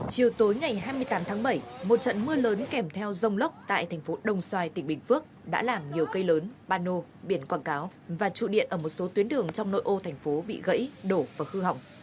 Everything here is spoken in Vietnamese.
chiều tối ngày hai mươi tám tháng bảy một trận mưa lớn kèm theo rông lốc tại thành phố đồng xoài tỉnh bình phước đã làm nhiều cây lớn bà nô biển quảng cáo và trụ điện ở một số tuyến đường trong nội ô thành phố bị gãy đổ và hư hỏng